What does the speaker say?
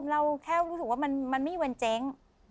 เราแค่รู้สึกว่ามันไม่มีวันเจ๊ง